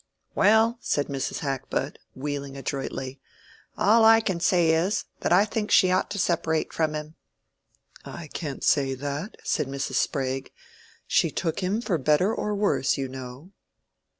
"Well," said Mrs. Hackbutt, wheeling adroitly, "all I can say is, that I think she ought to separate from him." "I can't say that," said Mrs. Sprague. "She took him for better or worse, you know."